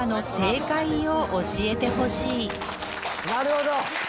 なるほど！